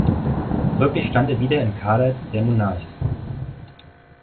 Folglich stand er wieder im Kader der Monarchs.